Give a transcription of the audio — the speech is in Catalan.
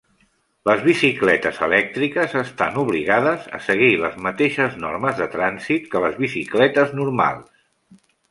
Les bicicletes elèctriques estan obligades a seguir les mateixes normes de trànsit que les bicicletes normals.